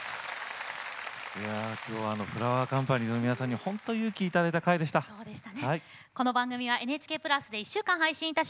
きょうはフラワーカンパニーズの皆さんに勇気をいただいた回でした。